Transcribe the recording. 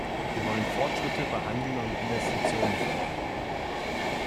Wir wollen Fortschritte bei Handel und Investitionen fördern.